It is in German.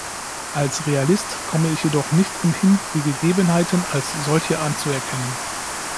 Als Realist komme ich jedoch nicht umhin, die Gegebenheiten als solche anzuerkennen.